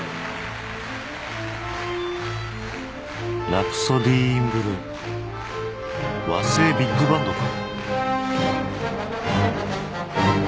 『ラプソディ・イン・ブルー』和製ビッグバンドか